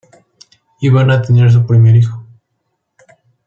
Y van a tener su primer hijo.